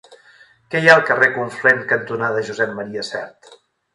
Què hi ha al carrer Conflent cantonada Josep M. Sert?